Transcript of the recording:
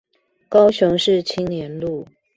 高雄市青年路